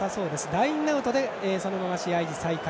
ラインアウトでそのまま試合再開。